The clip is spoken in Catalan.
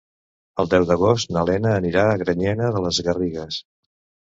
El deu d'agost na Lena anirà a Granyena de les Garrigues.